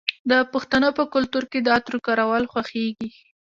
د پښتنو په کلتور کې د عطرو کارول خوښیږي.